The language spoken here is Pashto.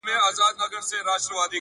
ددې ښـــــار څــــو ليونـيـو!!